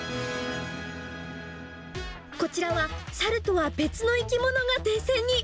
こちらはサルとは別の生き物が電線に。